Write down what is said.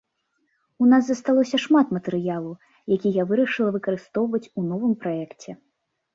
У нас засталося шмат матэрыялу, які я вырашыла выкарыстоўваць у новым праекце.